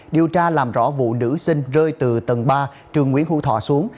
điều tra làm rõ vụ nữ sinh rơi từ tầng ba trường nguyễn hữu thọ xuống